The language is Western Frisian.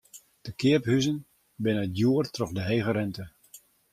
De keaphuzen binne djoer troch de hege rinte.